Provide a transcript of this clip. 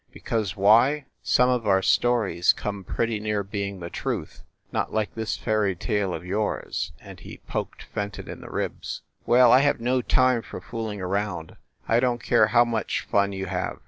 Because why; some of our stories come pretty near being the truth not like this fairy tale of yours " and he poked Fenton in the ribs. "Well, I have no time for fooling around. I don t care how much fun you have.